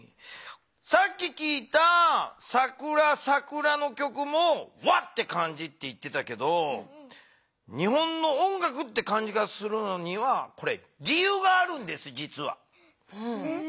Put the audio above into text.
さっききいた「さくらさくら」の曲も和って感じって言ってたけど日本の音楽という感じがするのには理ゆうがあるんですじつは。